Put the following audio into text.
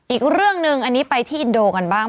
อีกเรื่องหนึ่งอันนี้ไปที่อินโดกันบ้าง